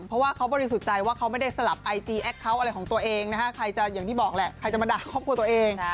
เพราะว่าเขาบริสุทธิ์ใจว่าเขาไม่ได้สลับไอจีแอคเคาน์อะไรของตัวเองนะฮะใครจะอย่างที่บอกแหละใครจะมาด่าครอบครัวตัวเอง